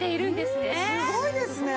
すごいですね！